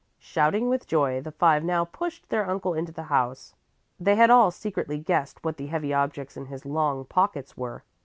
Shouting with joy, the five now pushed their uncle into the house; they had all secretly guessed what the heavy objects in his long pockets were.